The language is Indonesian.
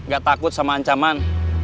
gak takut sama ancaman